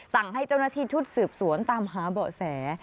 สั่งให้เจ้าหน้าที่ชุดสืบสวนตามหาเบาะแส